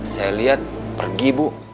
saya liat pergi bu